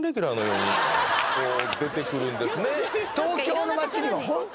出てくるんですね。